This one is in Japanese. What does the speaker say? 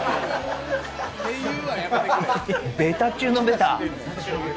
ベタ中のベタ。